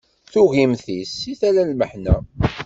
Tugimt-is seg tala n lmeḥna.